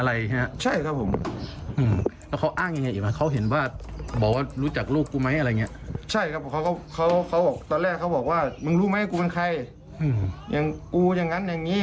ลูกน้องเรียกมาไกล่เกลี่ยหนึ่งรอบเป็นลูกน้อง